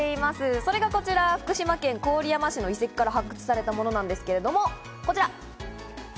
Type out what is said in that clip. それがこちら、福島県郡山市の遺跡から発掘されたものなんですけれども、こちら。